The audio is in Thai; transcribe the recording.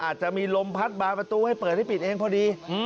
อาจจะมีลมพัดบางประตูให้เปิดให้ปิดเองพอดี